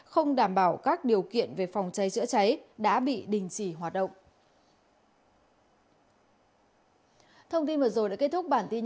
không đảm bảo các điều kiện về phòng cháy chữa cháy đã bị đình chỉ hoạt động